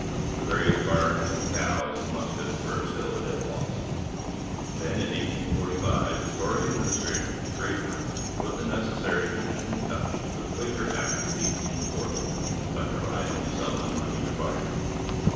The various barns and cows and muskets were still a dead loss. Then in 1845 the Tory administration of Draper put the necessary finishing touch to the quaker act of 1840 by providing the sum of money required.